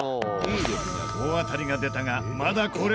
大当たりが出たが何っ！？